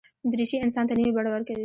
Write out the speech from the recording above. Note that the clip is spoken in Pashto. دریشي انسان ته نوې بڼه ورکوي.